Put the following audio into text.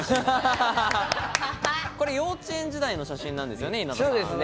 これ幼稚園時代の写真なんですよね？